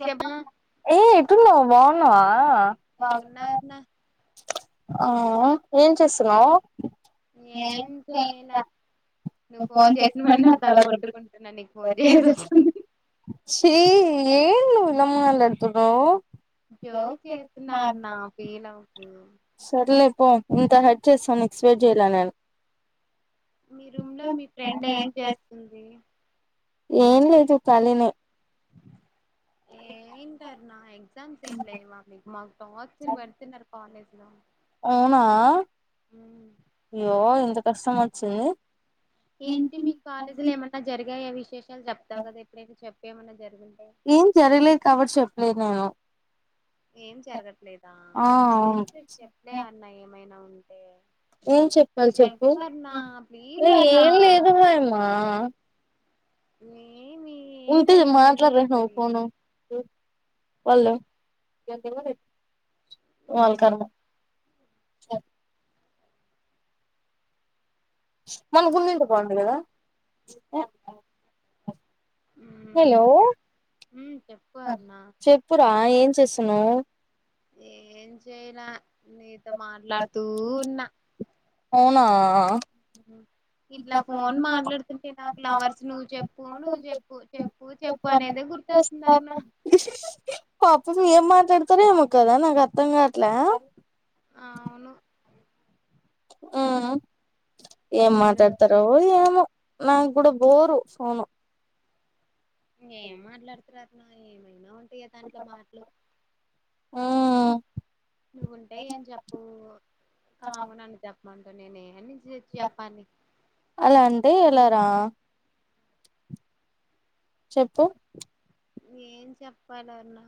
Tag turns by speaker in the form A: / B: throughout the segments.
A: చెప్పాలి ఏ ఎక్కడున్నావ్ బావున్నావా ఆ ఏం చేస్తున్నావ్ ఏం చేయ్ [unintelligible] ను ఫోన్ చేస్తున్నా [unintelligible] చీ ఏంది నువ్ ఇలా మాట్లాడుతున్నావ్
B: జోక్ చేసినారు నా ఫీలవకు
A: సర్లే పో ఇంత హెట్ చేస్తా అని ఎక్సపెక్ట్ చేయల నేను
B: మీ రూమ్ లో మీ ఫ్రెండ్ ఏం చేస్తుంది
A: ఏం లేదు కలినె
B: అ ఏంటారుణ ఎక్జాస్ ఏం లేవా మీకు మా టార్చర్ పెడుతునారు కాలేజ్ లో
A: అవునా అయ్యో ఎంత కష్టం వచ్చింది
B: ఏంటి మీ కాలేజీలో ఏమన్నా జరిగాయ విశేషాలు చెప్తావు కదా ఎప్పుడైనా చెప్పి ఏమన్నా
A: ఏం జరగలేదు కాబట్టి చెప్పలేదు నేను
B: ఏం జరగట్లేదు
A: ఆ అవును ఏం చెప్పాలి చెప్పు ఏం లేదు మాయమ్మా
B: నీ
A: ఇంతే మాట్లాడ్ రా ఫోను వాళ్ళు వాళ్ కర్మ మన కుండింటే బాగుండు కదా హలో చెప్పురా ఏం చేసున్నావ్
B: ఏం చేయలా నీర్ తో మాట్లాడుతూ ఉన్న ఇట్లా ఫోన్ మాట్లాడుతుంటే నా లవర్స్ నువ్వు చెప్పు నువ్వు చెప్పు చెప్పు చెప్పు అనేది
A: పాప తో ఏం మాట్లాడతారో ఏమొ కదా నాకు అర్థం కాట్లా
B: అవును
A: ఆ ఏం మాట్లాడతరో ఏమో నా కూడా బోరు ఫోను
B: ఏం మాట్లాడుతరాట్నో ఏమైనా ఉంటాయ దాంట్లో మాటలు నువ్వుంటే ఏం చెప్పు కాము నన్ను చెప్పు వాన్ తో నేన్ నేహాని
A: అలా అంటే ఎలార చెప్పు
B: ఏం చెప్పాలర్ణ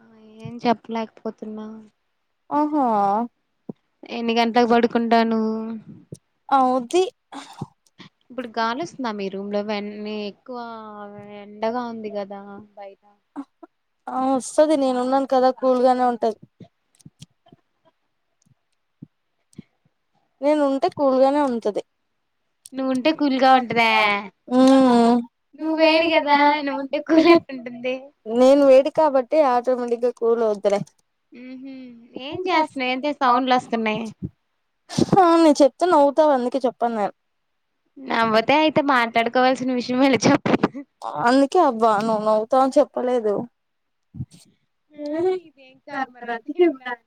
B: ఏం చెప్పలేకపోతున్నా
A: ఓహో
B: ఎన్ని గంటలకు పడుకుంటావ్ నువ్వు
A: అవుది
B: వెన్ని ఎక్కువ ఎండగా ఉంది కదా బయట
A: ఆ వస్తది నేను ఉన్నాను కదా కూల్గానే ఉంటది నేను ఉంటే కూల్గానే ఉంటది
B: నువ్వుంటే కూల్గా ఉంటదా నువు వేడి కదా నువ్వుంటే కూల్ ఎటున్టది ఉందే
A: నేను వేడి కాబట్టి ఆటోమేటిక్గా కూల్ అవుద్ది లే
B: ఊహు ఏం చేస్తున్నవ్ ఏంటీయో సౌండ్లు వస్తున్నయి
A: హా నువ్ చెప్తే నవ్వుతావ్ అందుకే చెప్పను నేను
B: నవ్వతో అయితే మాట్లాడుకోవాల్సిన విషయం మే లే
A: అందుకే అబ్బా నువ్వు నవ్వుతావని చెప్పలేదు ఉ హ్మ్ [inaudible]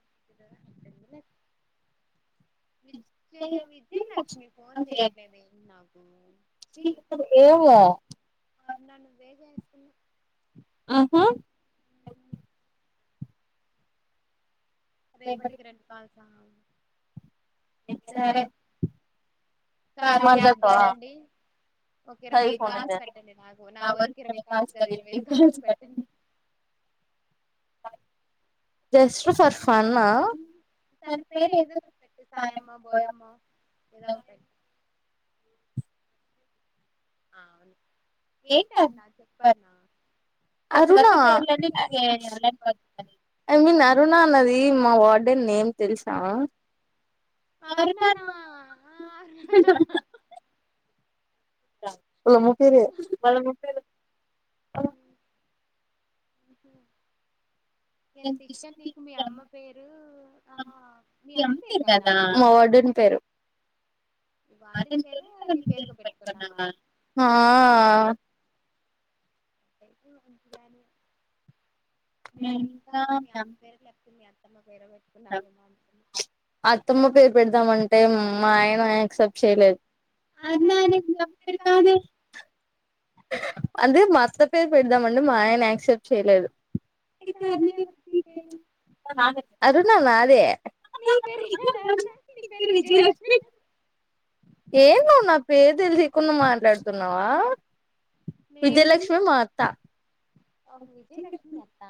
B: [inaudible] విజయ విజయలక్ష్మీ ఫోన్ చేయట్లేదే నాకు ఛీ మాట్లాడునువ్వే
A: ఆహా
B: రేపటికి రెండు కాల్స సరే కార్య యాప్ గారండీ ఒక ఇరవై ఐదు కాల్స్ పెట్టండి నాకు నా వరకు ఇరవై కాల్స్ కాదు ఇరవై ఐదు కాల్స్ పెట్టండి
A: జస్ట్ ఫర్ ఫన్న
B: తన పేరు ఏదో ఒక పెట్టు సాయమ్మో బోయమ్మో ఏదో ఒకట్ ఆ ఏంటరుణ చెప్పు అరుణ
A: అరుణ ఐ మీన్ అరుణ అన్నది మా వా అంటే నేం తెలుసా
B: అరుణానా ఆ అరుణ
A: వాళ్ళమ్మ పేరే
B: ఎంత ఇష్టం నీకు మీ అమ్మ పేరు ఆహా మీ అమ్మ పేరు గాదా
A: పేరు ఆ
B: అయితే ఉంచగాని నేను ఇంకా మీ అమ్మ లేకపోతే మీ అత్
A: అత్తమ్మ పేరు పెడదామంటే మా ఆయన యాక్సెప్ట్ చేయలేదు అరుణ అనేది గబ్బు పేరు కాదే అదే మా అత్త పేరు పెడదామంటే మా ఆయన యాక్సెప్ట్ చేయలేదు అరుణ న అది
B: నీ పేరేన్నా అరుణ నీ పేరు విజయలక్ష్మి
A: ఏంది నువ్ నా పేరు తెలీకున్న మాట్లాడుతున్నావా విజయలక్ష్మి మా అత్త
B: ఓహ విజయలక్ష్మి మీ అత్తా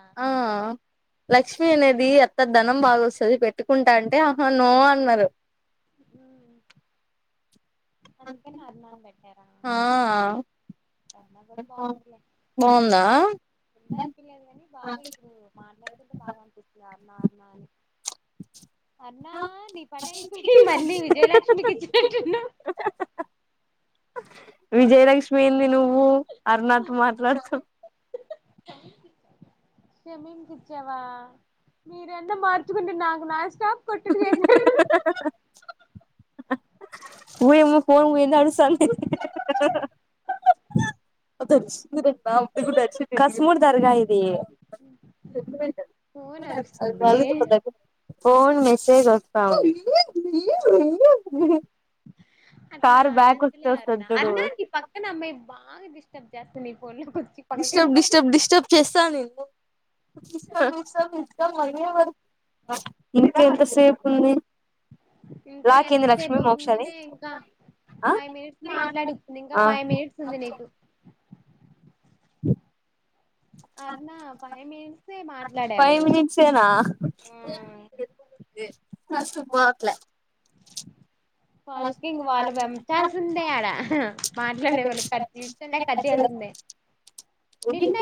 A: లక్ష్మి అనేది ఎంత ధనం బాగా వస్తుంది పెట్టుకుంటా అంటే ఆహ నో అన్నారు
B: ఉమ్ అందుకని అరుణ అని పెట్టార అరుణ కూడా బాగుందిలే ముందనిపిలేదు కాని బాగా ఇప్పుడు నార్మల్ బాగా అనిపిస్తుంది అరుణ అరుణ అని మళ్ళీ విజయలక్ష్మికి ఇచ్చినట్టున్నావ్
A: విజయలక్ష్మి ఏంది నువ్వు ఆర్ణతో మాట్లాడుతు
B: షమికి ఇచ్చావా మీరన్న మార్చుకుంటే నాకు నాన్ స్టాప్ కొట్టుడు చేసారు
A: ఊయ మా ఫోన్ పోందడుసంత
B: అ
A: కస్మూర్ దర్గా ఇది ఫోన్ మెసేజ్ వ [inaudible]
B: అట్లా అనొద్దులే అరుణ అరుణ నీ పక్కనమ్మాయి బాగా డిస్టర్బ్ చేస్తుంది
A: డిస్టర్బ్ డిస్టర్బ్ డిస్టర్బ్ చేస్తా నిన్ను ఇష్టం ఇష్టం ఇ ఇంకా ఎంతసేపు ఉంది
B: ఇంకా ఎంతసేపు ఉందిలే ఇంకా ఫైవ్ మినిట్స్ మాట్లాడు ఇంకా ఫైవ్ మినిట్స్ ఉంది నీకు
A: బ
B: అరునా ఫైవ్ మినిట్సే మాట్లాడావు
A: సుమాకలే
B: ఫస్ట్కింగ్ వాళ్ళు పెంంచాల్సి ఉందిే ఆడ మాట్లాడే వాళ్ళకి కీ క నిన్న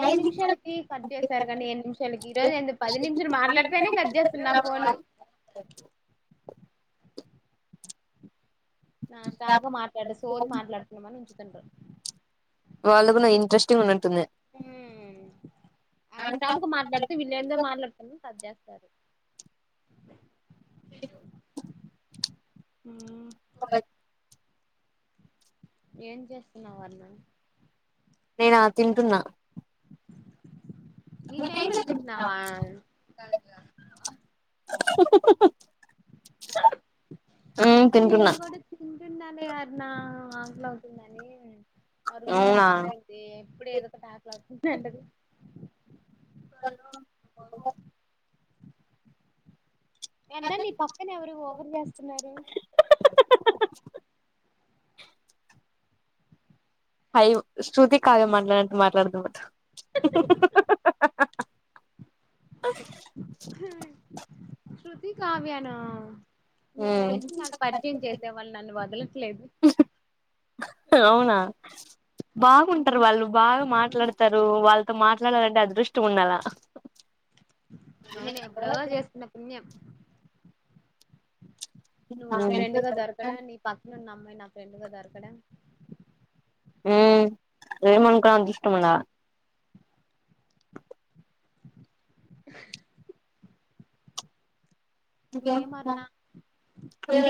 B: ఐదు నిమిషాలకి కట్ చేస్తారు కనీ ఏడు నిమిషాలకి ఈ రోజు ఎ పది నిమిషాలు మాట్లాడితేనే కట్ చేస్తున్నారు నా
A: నమస్కారం
B: నా శాపగా మాట్లాడ సోది మాట్లాడుతున్నామని ఉంచుతుండు
A: వాళ్ళకు నా ఇంట్రెస్టింగ్ ఉన్నట్టుంది
B: ఆ సబు మాట్లాడుత వళ్ందో మాట్లాడుతాను తదిస్త సరే ఏం చేస్తున్నా వారుణ
A: నేను తింటున్నా
B: న టైమ్ లో తన్నావా న కూడా ండాలి అరున ఆంట్ల అవుతుందని మరుగ మా ఒక అమ్మాయి అయితే ఇప్పుడు ఎద ఒక టాకలాంటది అదా నీ పక్కన ఎవరు ఓవరు చేస్తున్నారు
A: హై శృతి కాద మాట్లాడంత మాట్లాడదాబట
B: శృతి కావ్యనా మీ ఫ్రెండ్స్ నాకు పరిచయం చేసేవాళ్ళు నన్ను వదలట్లేదు
A: అవునా బాగుంటారు వాళ్ళు బాగా మాట్లాడతారు వాళ్ళు మాట్లాడాలంటే అదృష్టం ఉండాల
B: అవును ఇప్పుడ ఎవ చేస్తున్న పుణ్యం నువ్వు నా ఫ్రెండ్ గా దొరకడా నీ పక్కనన్న అమ్మాయి నా ఫ్రెండ్ గా దొకడా
A: ఏేమనుకు దృష్టమన్నా అకే